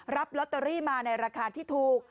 รับลอตเตอรี่มาในราคาที่ถูก